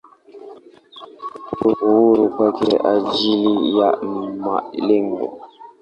Uhuru kwa ajili ya malengo.